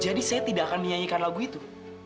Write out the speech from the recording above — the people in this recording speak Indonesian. jadi saya tidak akan menyanyikan lagu itu